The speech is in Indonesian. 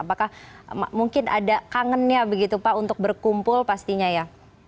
apakah mungkin ada kangennya begitu pak untuk berkumpul pastinya ya